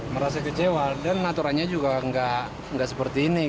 merasa kecewa dan aturannya juga nggak seperti ini